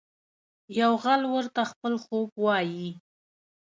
یو غل ورته خپل خوب وايي.